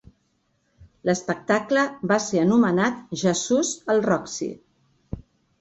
L'espectacle va ser anomenat "Jesús al Roxy".